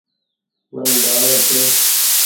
من جآڻونٚ ڇي